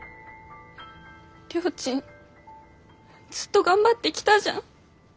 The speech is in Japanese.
りょーちんずっと頑張ってきたじゃん。